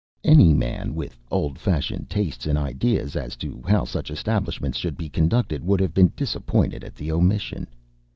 Any man with old fashioned tastes and ideas as to how such establishments should be conducted would have been disappointed at the omission.